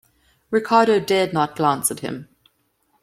Ricardo dared not glance at him.